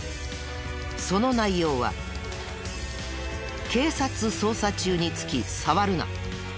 その内容は警察捜査中につき触るな。